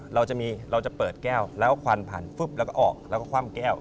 เราจะเปิดแก้วแล้วก็ควันผ่านแล้วก็ออกแล้วก็คว่ำแก้ว